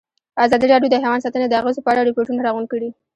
ازادي راډیو د حیوان ساتنه د اغېزو په اړه ریپوټونه راغونډ کړي.